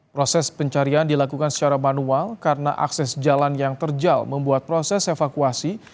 proses pencarian dilakukan secara manual karena akses jalan yang terjal membuat proses evakuasi